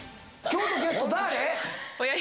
今日のゲスト誰や？